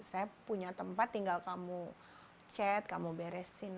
saya punya tempat tinggal kamu chat kamu beresin